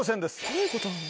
どういうことなの？